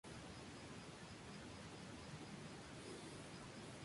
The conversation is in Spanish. Doble victoria de Ángel Nieto en este Gran Premio.